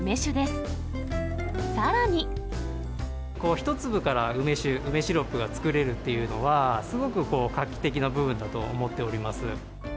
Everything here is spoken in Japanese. １粒から梅シロップが作れるというのは、すごく画期的な部分だと思っております。